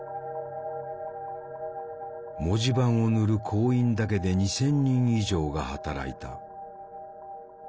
文字盤を塗る工員だけで２，０００人以上が働いた。